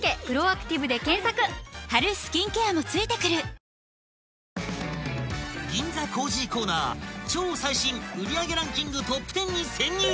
ハイサントリー「翠」［銀座コージーコーナー超最新売上ランキングトップ１０に潜入］